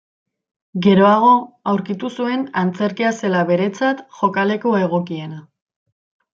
Geroago aurkitu zuen antzerkia zela beretzat jokaleku egokiena.